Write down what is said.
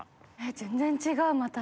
全然違うまた。